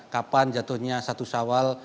kapan jatuhnya satu sawal